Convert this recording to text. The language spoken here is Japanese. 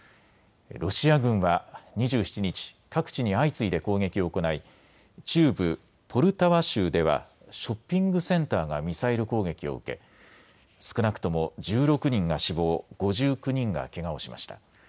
ロシア軍は２７日、各地に相次いで攻撃を行い中部ポルタワ州ではショッピングセンターがミサイル攻撃を受け、少なくとも１６人が死亡、５９人がけがをしました。